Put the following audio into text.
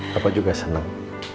papa juga senang